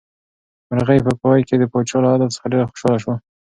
مرغۍ په پای کې د پاچا له عدل څخه ډېره خوشحاله شوه.